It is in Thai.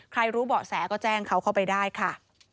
รู้เบาะแสก็แจ้งเขาเข้าไปได้ค่ะ